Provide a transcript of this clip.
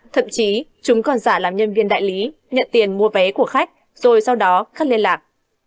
thậm chí chúng còn giả làm nhân viên đại lý nhận tiền mua vé của khách rồi sau đó cắt liên lạc